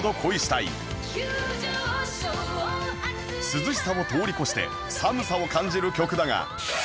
涼しさを通り越して寒さを感じる曲だが